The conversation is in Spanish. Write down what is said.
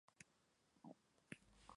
Son lianas, glabras.